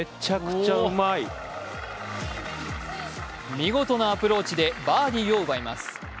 見事なアプローチでバーディーを奪います。